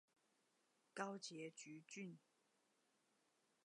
高捷橘線